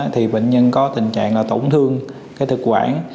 thì bệnh nhân có tình trạng là tổn thương cái thực quản